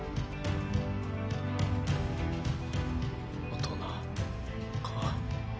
大人か。